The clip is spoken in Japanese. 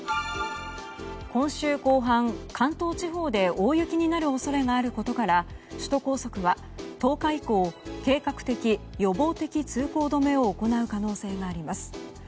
今週後半、関東地方で大雪になる恐れがあることから首都高速は１０日以降計画的・予防的通行止めを行う可能性があります。